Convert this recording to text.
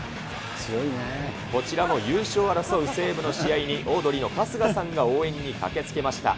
こちらも優勝を争う西武の試合に、オードリーの春日さんが応援に駆けつけました。